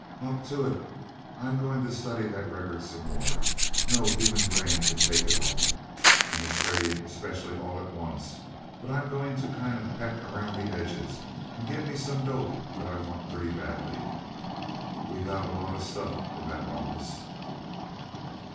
"Hop to it. I'm going to study that record some more. No human brain can take it all, I'm afraid, especially all at once, but I'm going to kinda peck around the edges and get me some dope that I want pretty badly. We got a lot of stuff from that wampus."